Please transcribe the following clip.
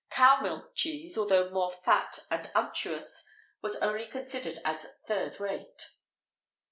Cow milk cheese, although more fat and unctuous, was only considered as third rate.